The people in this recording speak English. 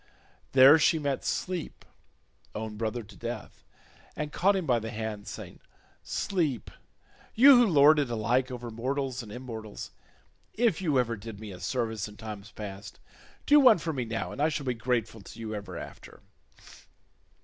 There she met Sleep, own brother to Death, and caught him by the hand, saying, "Sleep, you who lord it alike over mortals and immortals, if you ever did me a service in times past, do one for me now, and I shall be grateful to you ever after.